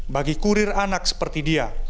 bagi kurir anak seperti dia